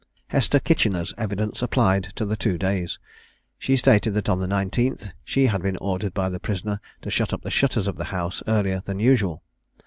Hester Kitchener's evidence applied to the two days. She stated that on the 19th she had been ordered by the prisoner to shut up the shutters of the house earlier than usual.